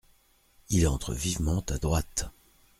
Il entre vivement à droite.